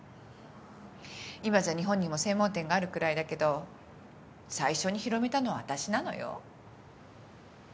今じゃ日本にも専門店があるくらいだけど最初に広めたのは私なのよ。